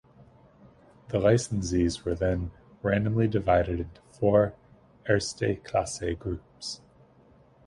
The licensees were then randomly divided into four Eerste Klasse groups.